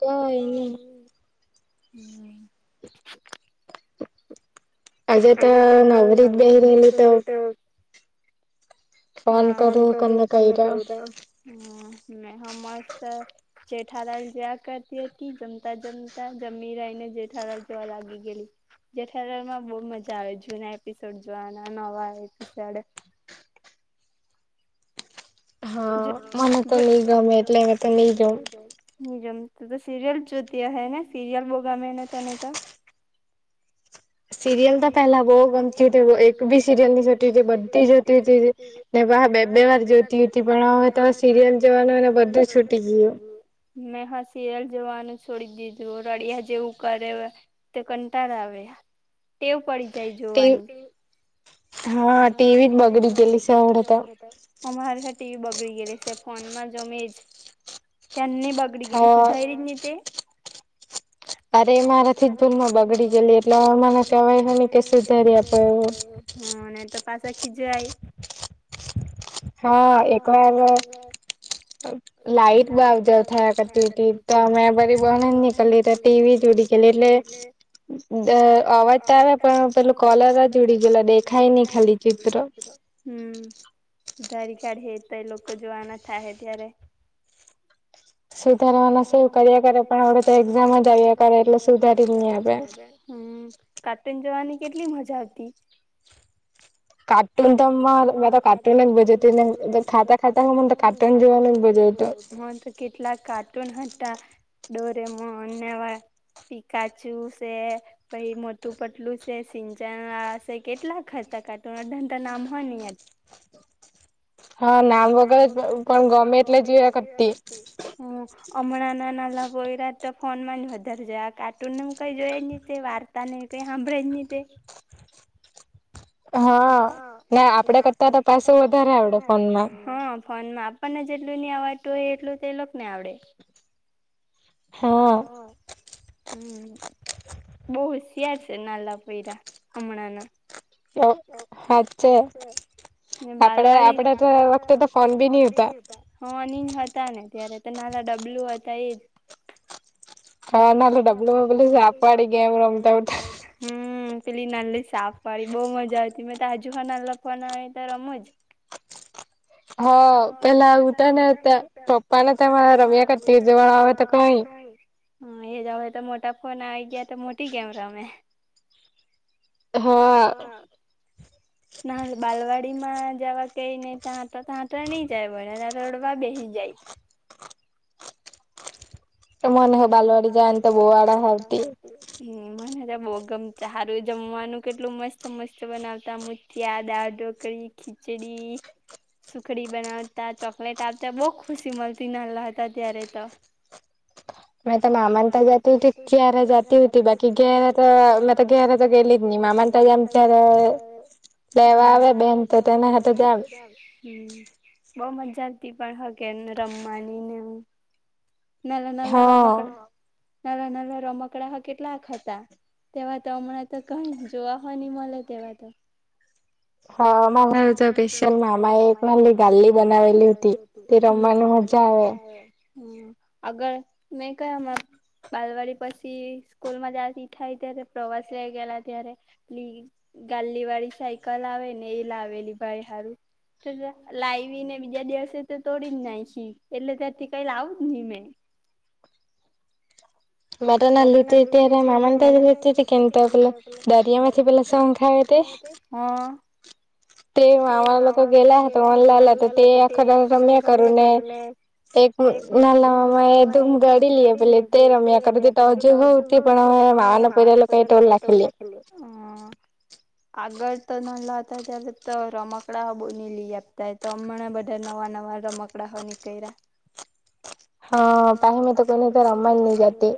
કોઈ નઇ આજે તો નવરીક બહેરીલી તો હાન કર કમ્યા ક આવીદ હ હ મસ્ત જેેઠા દાલ જયા કરતી જમતા જમતા જમી રહીને જેઠા ઘર જોવા લાગી ગેલી જેઠા લાલ માં બઉ મજા આવે જૂના એપિસોડ જોવાના નવા એપિસોડ [unintelligible] લુંમે એટલે લું જ [unintelligible] જેમ તું તો સીરિયલ જોત અહે ને સીરયલ બોગામે ને તને તો સિરિયલ તો પેલા બહુ ગમતી હતી એક બી સીરયલ નઇ જોતી હતી બધી જોતી હતી બે બે વાર જોતી પણ તો હવે તમે સિરિયલ જોવા લાગો તો સીએલ જવાનું છે થોડી દીધું રળિયા જેવું કરે તો કંટાળ આવે તેવ પડી જાય જોવાની હા ટીવી જ બગડી ગયેલું છે અમને તો અમારે હટી બગડી દિવસે છે ફોનમાં જમે જ એજ બગડી ગએલી સુધારિ જ નઈ તે અરે મારેથી ભૂલમાં બગડી ગયેલી એટલે હવે મારા થી કેવાય નહીં કે સુધારિ આપો તો પાછા ખીજાય હા એક વાર લાઈટ બઉજ થયા કરતી હતી તો મેં બરી બહ જ નીકળી ત ટીવી જો ગય એટલે અવાજ તો આવે પણ પેલું કોલર જ ઉડી ગયેલુ દેખાય નહી ખાલી ચિત્ર હમ ધારીકાાઢ હે તો એ લોકો જોવાના થા હે તારે સુધારવાના સું કર્યા કરે પણ આપડે તો એક્ઝામ જ આવ્યા કરે એટલે સુધારી જ નહી આપે કાર્ટૂન જોવાની કેટલી મજા આવતી [inaudible] કાર્ટૂન જમવા હારુ મેં તો કાર્ટૂન જ જોતી ને મેં તો ખાતા ખાતા તો અમને હ તો કેટલાક કાર્ટૂન હતા ડોરેમોન ને એવા પી કાચું છે સે પછી મોટું પટલું છે સિંચણશે કેટલા ખ હતા કાર્ટૂન અડધા ના નામ તો હોય ને હા નામ ખબર પણ ગમે એટલે જોયા કરતી હમણાં ના ના પોયરા તો ફોન મા જ વધારે જાય કાર્ટૂન ન કઈ જોઈ જ નહી વાર્તા ને એ હાભરેજ નહીં તે હા આપડે કરતા તો પાસું વધારે આવડે ફોનમાં ફોન માં આપણને જેટલું નય આવડતું હોય એટલું તો એ લોકોન આવડે હ હમ બહુ હોશિયાર છે નાલા પોયરા હમણાંના ઓ હાચે બાલવાડી હતા ને ત્યારે તો નાના ડબલું હતા એજ હા નાાલ ડબલું વગલ વાપાડી ગ ઉટા ઉ પેલી નાની સાફ પાડી બહુ મજા આવતી મે હજુ હ ના લખવાના તો રમું જ [unintelligible] હ પેલા ઊઠે ને ત પપ્પા ને ત રમ્યા કરતી જવાનું આવે તો કઈ હ એ જય હવે તો મોટા ફોન આવી ગયા તો મોટી ગેમ રમે હા ગાડીમાં જવા કઈ નહ તં હતા રડવા બેહી જાય હતી હમ મને બો ગમતા હારું જમવાનુ કેટલું મસ્ત મસ્ત બનાવતા મૂઠિયા દાળઢોકળી ખી ચડી સુખડી બનાવતા ચોકલેટ આપતા બહુ ખુશી મળતી નાનલા હતા ત્યારે તો [inaudible] મે તો મામા તા જતી તી ત્યારે જતી ઉતિ બાકી ઘેર તો મેં ઘેરે તો ગેલી જ ની મામા ન તા એમકરે હમ લેવા આવે બેન તો તેના હાથે જાવ હમ બઉ મજા આવતી પણ હ કે રમવાની ને એવુ નાના રમકડા હ નાનલા નાનલા રમકડા કેટલાક હતા તેવા તો હમણાં તો કહી જોવા હો ની મલે તેવા તો હા મારી હારુ તો પેશયલ મામાએ એક નાનલી ગાલી બનાવેલી ઉતી તે રમવાનુ મજા આવે અગર મે કયામા બાલવાડી પસી સ્કૂલ મા જાતી થાય ત્યારે પ્રવાસ લઈ ગેલા ત્યારે પે ગાલ્લી વાળી સાયકલ આવે ને એ લાવેલી ભાઈ હારું લાયવીને બીજા દિવસે તો તોડી જ નાયખી એટલે ત્યાારઠી કઈ લાવુ જ ની મે મે તો નાનલી ઉતી તેરે મામન તા જ રેતી તી કે ની તો પેલા દરિયામાંથી પેલા શંખ આવે તે હ. તે મામા લોકો ગેલા હતા વણ લાવલા તો તે આખો દાળો રમ્યા કરું ને એક નાલા મામા એ ધૂમ ગાડી લે આપેલી તે રમ્યા કરું તે હજુ કે પણ ઉતી પણ હવે મામાના પોયરા લોકોએ તોડ લાખેલી હ આગળ તો નાનલા હતા ત્યારે તો રમકડા હો બોની લી આપતા એતો હમણા બધા નવા નવા રમકડા હો નીકયરા હ પાહી મે તો કોઈની તા રમમાની જતી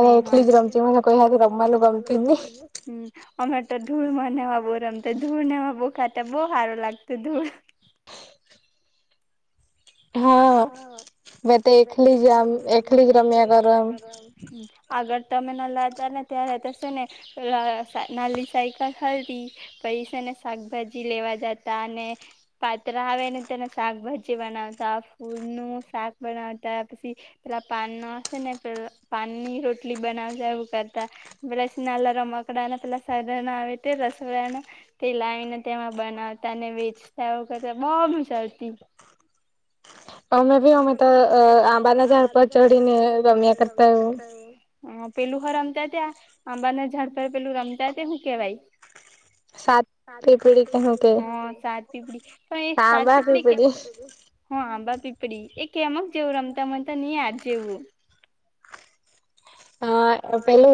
મે હો એકલી જ રમતી મને કોઈ હાથે રમવાનુ ગમતુ જ ની હમ અમે તો ધૂળમા ને એવા બો રમતા ધૂળ નેવા બો ખાતા બહુ સારું લાગતુ ધૂળ હા મે તો એકલી જ આમ એકલી જ રમ્યા કરુ એમ આગળ તમે નાનલા હતા ને ત્યારે તો સે ને અ નાનલી સાયકલ હરી પૈસેને શાકભાજી લેવા જતા અને પાત્ર આવેને તેને શાકભા જી બનાવતા ફૂલનું શાક બનાવતા પછી પેલા પાન નો શે ને પે પાન પાનની રોટલી બનાવતા એવુ કરતા પેલા સ નાનલા રમકડા પેલા સાધનો આવે તે રસો વાળાના તે લાવીને તેમાં બનાવતાને વેચતા એવું કરતા બો મજા આવતી અમે ભી અમે તો આંબા ના ઝાડ પર ચઢીને રમ્યા કરતા એવું હ પેલુ હો રમતા ત્યા આંબા ના ઝાડ પર પેલુ રમતા તે હુ કેવાય સાત સાત પીપડી હ સાત પીપડી પણ એ સાત પીપડી કે હ આંબા પીપડી એ કેમક જેવુ રમતા મને તો ની યાદ જેવુ અ પેલુ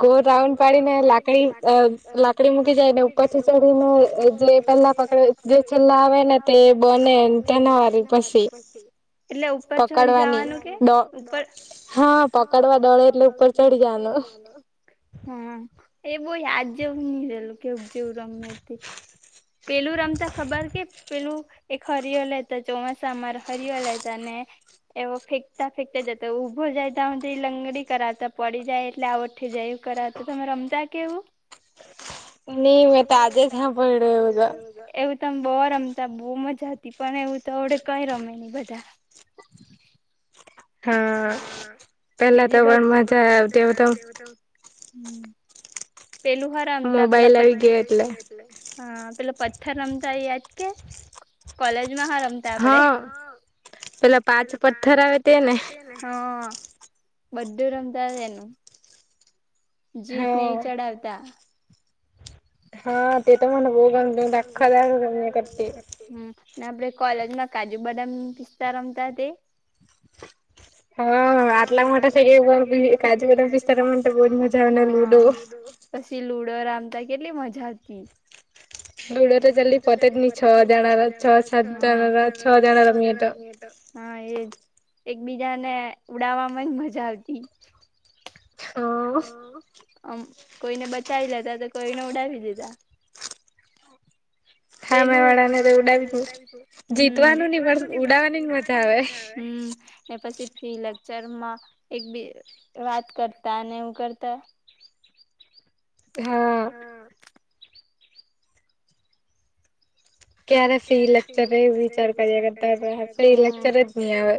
ગોર રાઉન્ડ પાડીને લાકડી અ અમ લાકડી મૂકી જાય ને ઉપરથી ચડીને જે પે લા પકડે જે છેલ્લા આવેને તે બને તેને વારી પસી એટલે ઉપર ચડી જવાનુ કે ઉપર હા પકડવા [inaudible] હ એ બો યાદ જેવુની રેલુ કેવુ જેવુ રમયે તે પેલું રમતા ખબર કે પેલું એક હરિયો લેતા ચોમાસામા હરિયો લેતા ને એવો ફેકતા ફેકતા જતો ઉભો જાય આંધડી લંગડી કરાવતા પડી જાય એટલે આઉટ થાય જાય એવુ કરાતા તમે રમતા કે એવુ? ની મે તો આજે જ હાભયડુ એવુ તો તમ બો રમતા બો મજા હતી પણ એવુ તો વડે કઈ રમેની બધા હા બીજી બાજ હમ પેલું હો રમતા પેલા પતા હા પેલા પથ્થર રમતા યાદ કે કોલે જ માં રમતા આપડે પેલા પાંચ પથ્થર આવે તેને બધું રમતા એનું જીતને કરતાં. હા તે તો મને બો ગમે [unintelligible] ને આપડે કોલેજમાં કાજુ બદામ પિસ્તા રમતા તે હા આટલા મોટા થઈ ગયા એ કાજુ બદામ પિસ્તા રમવા ની તો બો જ મજા આવે ને લુડો પછી લુડો રમતા કેટલી મજા હતી લુડો તો જલ્દી પતે જ ની જણા [unintelligible] છ જણા રમીએ તો હા એજ એકબીજાને ઉડવામાંજ મજા આવતી હા. અમ કોઈને બચાવી લેતા તો કોઈને ઉડાવી દીધા પેલું સામે વાળાને ઊડાડી દઉ જીતવાનું ની પણ ઉડાવાની મજા આવે ને પછી ફ્રી લેક્ચરમાં એક બે વાત કરતા અને એવું કરતા હા. ક્યારે ફી લેક્ચર એ વિચાર કર્યા કરતા ફી લેક્ચર જ નહી આવે.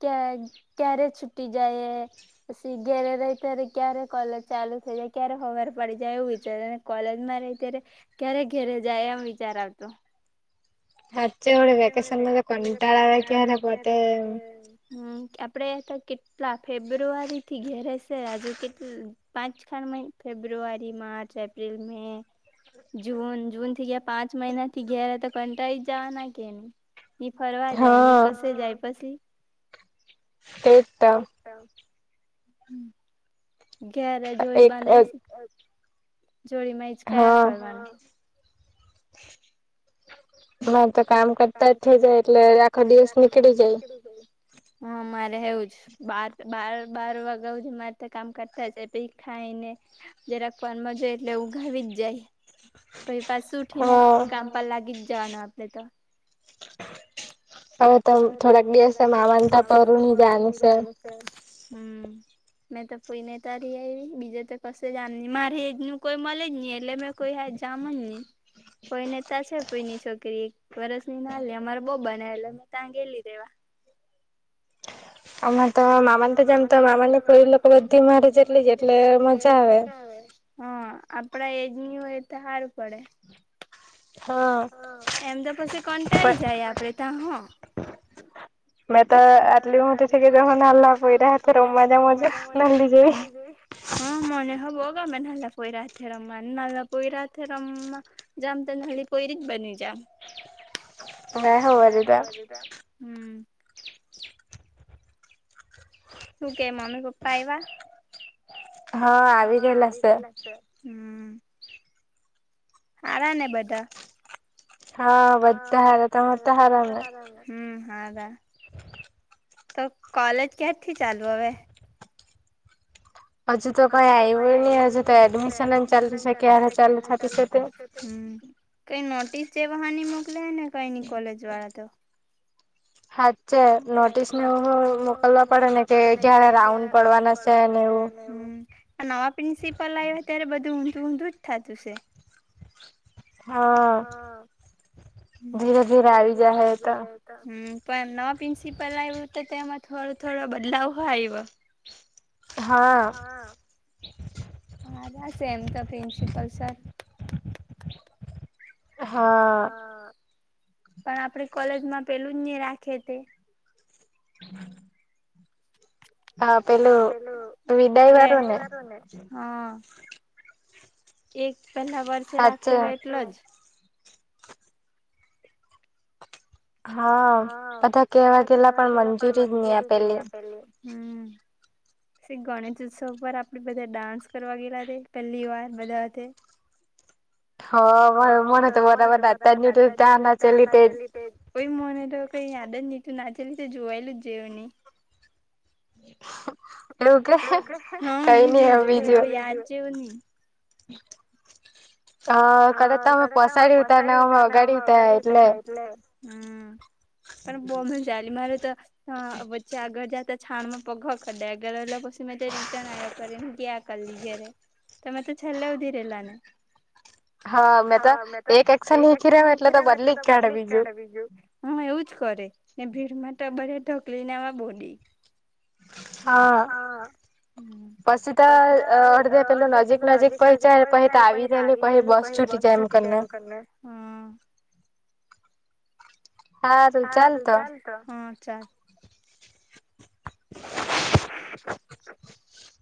ક્યાં ક્યારે છૂટી જાય એ પછી ઘેરે રહી ત્યારે ક્યારે કોલેજ ચાલુ થઇ જાય ક્યારે હવાર પડી જાય એવું વિચારેને કોલેજમાં ત્યારે ક્યારે ક્યારે ઘેરે જાય એમ વિચાર આવતો. હમ્મ આપડે હતાં કેટલા ફેબ્રુઆરી થી ઘેરે છે હજુ કેટલા પાંચ ખણ મઇ ફેબ્રુઆરીમાં March April May. June June થી ગ્યા પાંચ મહિના થી ઘેર તો કંટાળી જવા ના કે નઈ. ની ફરવા જાય ની કસે જાય પસી. એ તો. ઘેરે જોઈ બાંધેલસ. જોડીમાં એ જ કયા કરવાનું. હ તો કામ કરતા થઈ જાય એટલે આખો દિવસ નીકળી જાય. રહેવુ જ બાર બાર બાર વાગવા હુધી માર ત કામ કરતા જાય પહિ ખાઈને રાખવાન મજા એટલે ઉઘાવી જ જાય. પઈ પાસું ઉઠીને કામ પર લાગી જ જવાનું આપણે તો. [inaudible] હવે તો થોડાક બેસે મામાનતા પરું ની જાનશે. હમ્મ. મેં તો કોઈ ને તારી આવી બીજે તો કશે જા ની મારે એજ ને કોઈ મળે જ નહી એટલે મે કોઈ જામન ની. કોઈ નેતા છે કોઈની છોકરી એક વરસની ના લે અમારે બહ બનાએલો તાંગેલી રેવા. અમે તો મામાને તો જમ તો મામાને કોઈ લોકો બધી મારે જેટલી એટલે મજા આવે. હા આપડા એજ ની હોય તો હારું પડે. એમ તો પછી કંટાળી જાય આપડે તા હ. મે તો આટલી મોટી [unintelligible] મજા નથી મને હ ગમે નાના પોઈરા હાથે રમવાન નાના પોઈરાથે રમા જામ તા હજી પોયરી બની જા, હમ્મ. શું કે મમ્મી પપ્પા આયવા? હા આવી ગયેલા છે. હારા ને બધા. હા બધા હાર તમા તો હારાને. હા રાા તો કોલેજ ક્યાાર થી ચાલુ હવે હજુ તો કઈ આવય નને હજુ તો એડમિશન ચાલુ શકી ચાલુ થકી કઈ નોટિસ જેવા હાની મોકલે હ ને કઈ નની કોલેજ વાળા તો સાા છે નોટિસને એવું મોકલવા પડે ને કે ક્યારે રાઉન્ડ પડવાના છે ને હ એવું આ નવા પ્રિન્સિપલ આવ્યા ત્યારે બધું ઊંધું ઊંધું જ થતું છે હા ધીરે ધીરે આવી જાય હ તો પણ નવા પ્રિન્સિપલ આવ્યું તો તેમાં થોડો થોડો બદલાવ હોય આવ્યો હા હા સ એમ તો પ્રિન્સિપલ સર હા પણ આપડ કોલેજમાં પેલું જ નહી રાખે તે હમ હા પેલું ફેરવેલ એક પેલા વર્ષે રાખેલા એટલો જ હા બધા કેવાગેલા પણ મંજૂરી જ નહી આપેલી હમ ગણેશ ઉત્સવ પર આપણે બધા ડાન્સ કરવા ગયલા પહેલી વાર બધા હાથે. હ હ મા મને તો બરાબર નાચતા જ ની અતુ તા નાચેલી તેજ. કોઈ મને તો કઈ યાદ જ ની હતું નાચેલી તે જોવાયેલું જ જેવું ની. એવું કે? હ ની જેવું જોયલુ યાદ જેવું ની. હ હ કદાચ તમે પસાડી ઉતા ને અમે અખાડી ઉતા એટલે. પણ બો મજા આલી મારે તો વચ્ચે આગળ જાતા છાણમાં પગ હો ખડાયા ઘરવાલા પછી મેં તો રિટર્ન આવ્યો કરલી ત્યાં કરલી કયારે તમે તો છેલ્લે હુધી રેલા ને? હા મેં તો એક એક્શન હીખી રેમ એટલે તો બદલી જ કાઢે બીજું. જ કરે ને ભીડમાં તો બધા ઢકલી ને એવા જ બો રી. હા. પસી તો અ અડધે પેલું નજીક નજીક પોયચા પહી તો આવી ગેલી પ પેલું પહી બસ છૂટી જાય એમ કરને. સારું ચાલતો હા ચાલ. [inaudible]